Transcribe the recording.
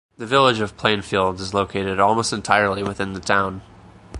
The Village of Plainfield is located almost entirely within the town.